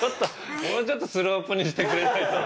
もうちょっとスロープにしてくれないと。